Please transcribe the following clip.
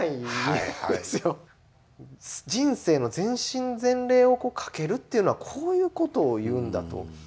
人生の全身全霊をかけるっていうのはこういうことを言うんだと。